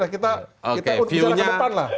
kita ke depan lah